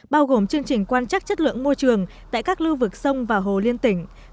bao gồm chương trình quan chắc chất lượng môi trường tại các lưu vực sông và hồ liên tỉnh